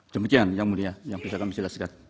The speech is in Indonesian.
demikian yang mulia yang bisa kami jelaskan